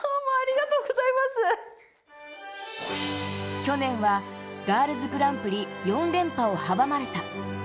去年はガールズグランプリ４連覇を阻まれた。